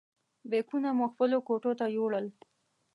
بیکونه مو خپلو کوټو ته یوړل.